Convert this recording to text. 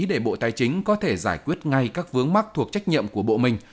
để bộ tài chính có thể giải quyết ngay các vướng mắc thuộc trách nhiệm của bộ mình